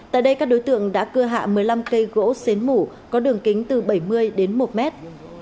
tại đây các đối tượng đã cưa hạ một mươi năm cây gỗ xến mủ có đường kính từ bảy mươi đến một mét